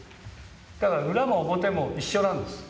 だから裏も表も一緒なんです。